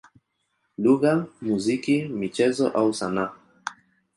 lugha, muziki, michezo au sanaa.